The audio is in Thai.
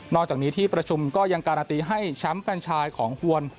อกจากนี้ที่ประชุมก็ยังการันตีให้แชมป์แฟนชายของฮวน